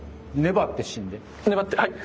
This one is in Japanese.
粘ってはい。